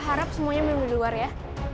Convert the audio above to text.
harap semuanya memang di luar ya